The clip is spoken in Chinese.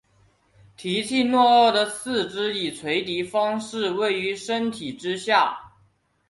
提契诺鳄的四肢以垂直方式位于身体之下。